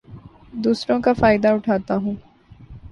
دوسروں کا فائدہ اٹھاتا ہوں